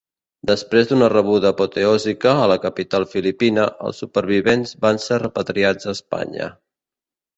Després d'una rebuda apoteòsica a la capital filipina, els supervivents van ser repatriats a Espanya.